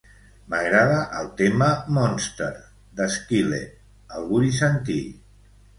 M'agrada el tema "Monster" de Skillet; el vull sentir.